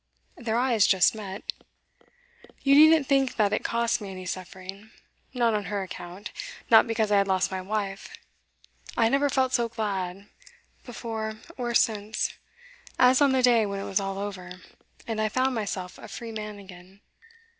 Their eyes just met. 'You needn't think that it cost me any suffering. Not on her account; not because I had lost my wife. I never felt so glad, before or since, as on the day when it was all over, and I found myself a free man again.